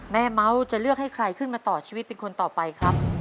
เม้าจะเลือกให้ใครขึ้นมาต่อชีวิตเป็นคนต่อไปครับ